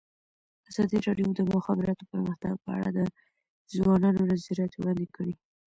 ازادي راډیو د د مخابراتو پرمختګ په اړه د ځوانانو نظریات وړاندې کړي.